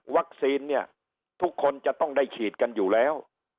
เนี่ยทุกคนจะต้องได้ฉีดกันอยู่แล้ว